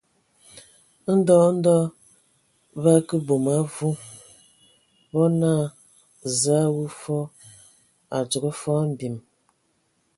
Ndɔ ndɔ bǝ akə bom a avu, bo naa : Zǝə a wu fɔɔ, a dzogo fɔɔ mbim.